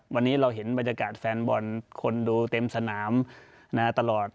วันนี้เราเห็นบรรยากาศแฟนบอลคนดูเต็มสนามตลอด